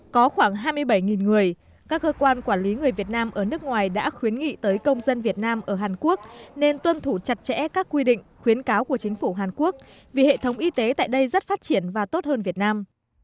có khoảng hai mươi bảy người các cơ quan quản lý người việt nam ở nước ngoài đã khuyến nghị tới công dân việt nam ở hàn quốc nên tuân thủ chặt chẽ các quy định khuyến cáo của chính phủ hàn quốc vì hệ thống y tế tại đây rất phát triển và tốt hơn việt nam